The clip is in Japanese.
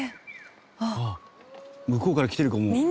あっ向こうから来てる子も。